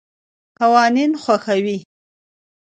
قوانین خوښوي.